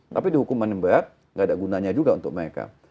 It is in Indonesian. tapi di hukuman yang berat tidak ada gunanya juga untuk mereka